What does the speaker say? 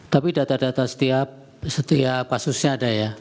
tapi data data setiap kasusnya ada ya